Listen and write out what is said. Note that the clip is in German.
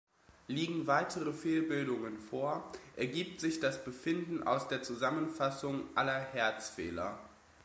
Liegen weitere Fehlbildungen vor, ergibt sich das Befinden aus der Zusammenfassung aller Herzfehler.